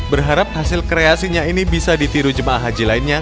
berharap hasil kreasinya ini bisa ditiru jemaah haji lainnya